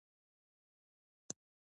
که ترازوی وي نو وزن نه غلطیږي.